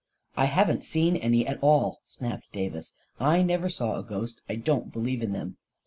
" I haven't seen any at all," snapped Davis. " I never saw a ghost — I don't believe in them."